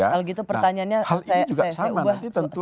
hal itu pertanyaannya saya ubah